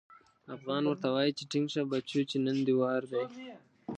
افغان ورته وايي چې ټينګ شه بچو چې نن دې وار دی.